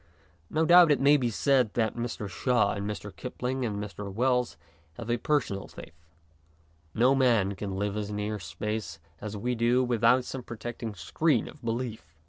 No doubt it may be said that Mr. Shaw and Mr. Kipling and Mr. Wells have a personal faith. No man can live as near space as we do without some protecting screen of belief.